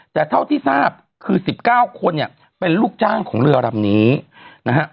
แต่เท่าที่ทราบคือ๑๙คนเนี่ยเป็นลูกจ้างของเรือลำนี้นะฮะ